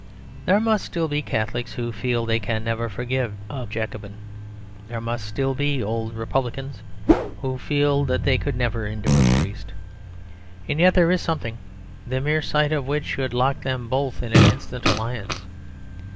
There must still be Catholics who feel they can never forgive a Jacobin. There must still be old Republicans who feel that they could never endure a priest. And yet there is something, the mere sight of which should lock them both in an instant alliance.